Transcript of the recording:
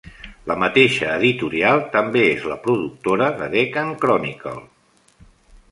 La mateixa editorial també és la productora de "Deccan Chronicle".